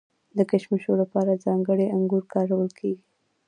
د کشمشو لپاره ځانګړي انګور کارول کیږي.